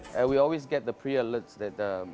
kita selalu mendapatkan aliran pre alert